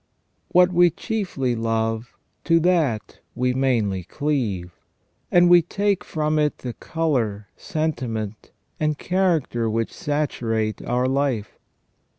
What we chiefly love to that we mainly cleave, and we take from it the colour, sentiment, and character which saturate our life.